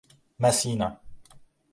Messina.